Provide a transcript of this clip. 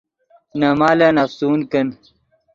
نے مالن افسون کن